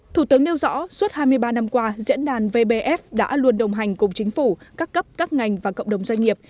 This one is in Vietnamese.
thủ tướng nêu rõ suốt hai mươi ba năm qua diễn đàn vbf đã luôn đồng hành cùng chính phủ các cấp các ngành và cộng đồng doanh nghiệp